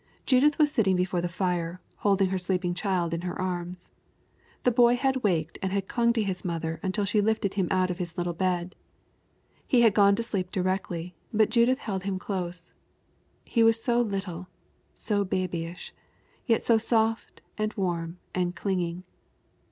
Judith was sitting before the fire, holding her sleeping child in her arms. The boy had waked and had clung to his mother until she lifted him out of his little bed. He had gone to sleep directly, but Judith held him close; he was so little, so babyish, yet so soft and warm and clinging.